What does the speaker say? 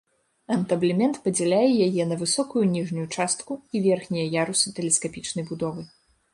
Антаблемент падзяляе яе на высокую ніжнюю частку і верхнія ярусы тэлескапічнай будовы.